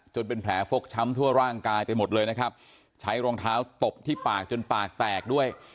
เป็นแผลฟกช้ำทั่วร่างกายไปหมดเลยนะครับใช้รองเท้าตบที่ปากจนปากแตกด้วย